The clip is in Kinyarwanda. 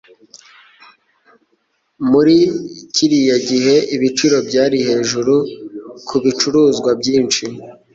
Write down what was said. Muri kiriya gihe, ibiciro byari hejuru kubicuruzwa byinshi.